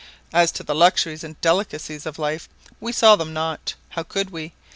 As to the luxuries and delicacies of life, we saw them not; how could we?